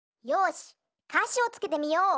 しかしをつけてみよう！